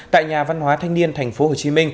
tại nhà văn hóa thanh niên tp hcm